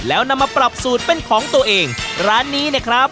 แล้วนำมาปรับสูตรเป็นของตัวเองร้านนี้เนี่ยครับ